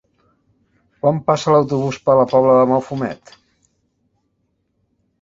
Quan passa l'autobús per la Pobla de Mafumet?